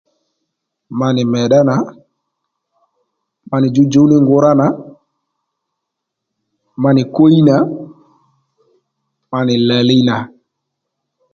Ma nì mèddá na ma djuwdjǔw ní ngurá na ma nì kwí nà ma nì làli nà